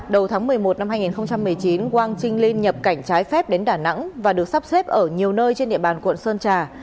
đầu tháng một mươi một năm hai nghìn một mươi chín quang trinh linh nhập cảnh trái phép đến đà nẵng và được sắp xếp ở nhiều nơi trên địa bàn quận sơn trà